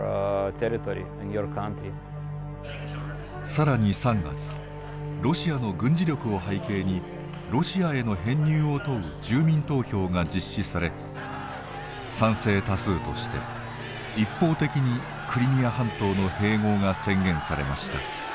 更に３月ロシアの軍事力を背景にロシアへの編入を問う住民投票が実施され賛成多数として一方的にクリミア半島の併合が宣言されました。